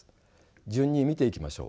順に見ていきましょう。